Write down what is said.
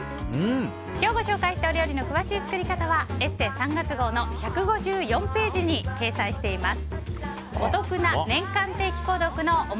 今日ご紹介した料理の詳しい作り方は「ＥＳＳＥ」３月号の１５４ページに掲載しています。